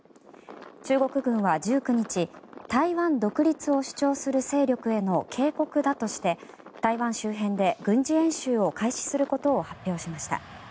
中国軍は１９日台湾独立を主張する勢力への警告だとして台湾周辺で軍事演習を開始することを発表しました。